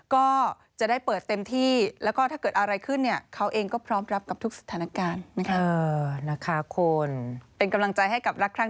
ก็จะได้เปิดเต็มที่